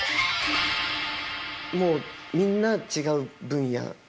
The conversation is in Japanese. もうみんな違う分野？